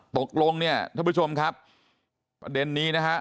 ตกลงเนี่ยท่านผู้ชมครับประเด็นนี้นะฮะ